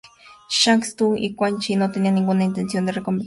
Shang Tsung y Quan Chi no tenían ninguna intención de recompensar al campeón.